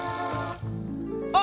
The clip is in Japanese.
あっ！